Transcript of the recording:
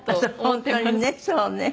本当にねそうね。